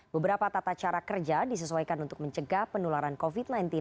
beberapa tata cara kerja disesuaikan untuk mencegah penularan covid sembilan belas